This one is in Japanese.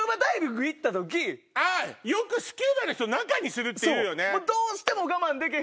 あよくスキューバの人中にするっていうよね？